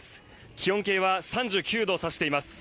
気温計は３９度を指しています。